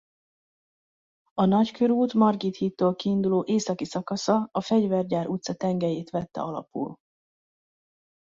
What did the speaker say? A Nagykörút Margit hídtól kiinduló északi szakasza a Fegyvergyár utca tengelyét vette alapul.